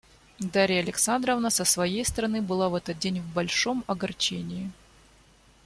Дарья Александровна с своей стороны была в этот день в большом огорчении.